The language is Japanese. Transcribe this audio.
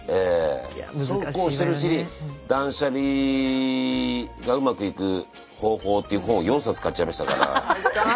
そうこうしてるうちに断捨離がうまくいく方法っていう本を４冊買っちゃいましたから。